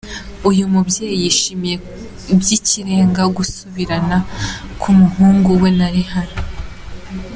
Uyu mubyeyi yishimiye by’ikirenga gusubirana k’umuhungu we na Rihanna.